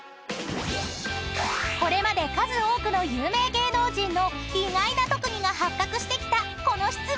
［これまで数多くの有名芸能人の意外な特技が発覚してきたこの質問］